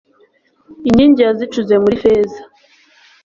inkingi yazicuze muri feza